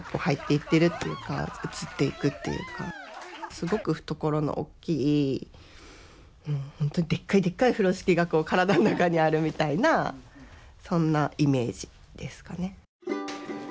すごく懐のおっきい本当にでっかいでっかい風呂敷が体の中にあるみたいなそんなイメージですかね。